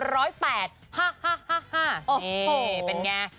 ฮ่าโอ้โหเป็นไง